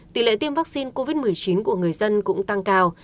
tỷ lệ tiêm vaccine covid một mươi chín của người dân cũng tăng cao